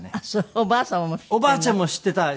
おばあちゃんも知っていますよ。